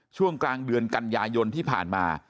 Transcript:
ช่วงกลางเดือนกันยายนที่ผ่านมา